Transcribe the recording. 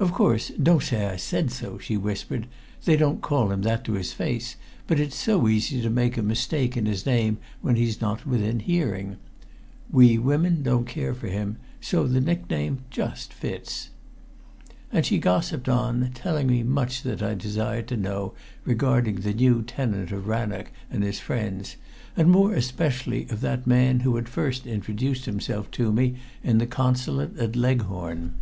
"Of course, don't say I said so," she whispered. "They don't call him that to his face, but it's so easy to make a mistake in his name when he's not within hearing. We women don't care for him, so the nickname just fits." And she gossiped on, telling me much that I desired to know regarding the new tenant of Rannoch and his friends, and more especially of that man who had first introduced himself to me in the Consulate at Leghorn.